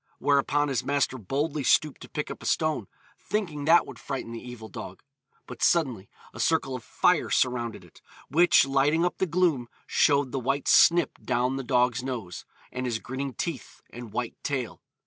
Whereupon his master boldly stooped to pick up a stone, thinking that would frighten the evil dog; but suddenly a circle of fire surrounded it, which lighting up the gloom, showed the white snip down the dog's nose, and his grinning teeth, and white tail.